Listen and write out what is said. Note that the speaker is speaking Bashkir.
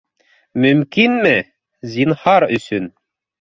Мөмкинме? Зинһар өсөн.